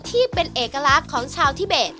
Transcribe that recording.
ที่เป็นเอกลักษณ์ของชาวทิเบส